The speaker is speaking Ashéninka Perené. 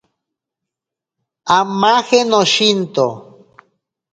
Amaje noshinto.